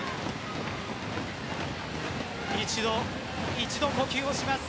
一度、呼吸をします